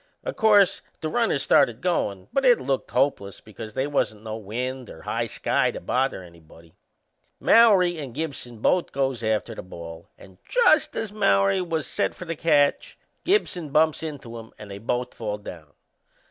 O' course the runners started goin', but it looked hopeless because they wasn't no wind or high sky to bother anybody. Mowrey and Gibson both goes after the ball; and just as Mowrey was set for the catch Gibson bumps into him and they both fall down.